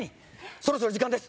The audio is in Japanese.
そろそろ時間です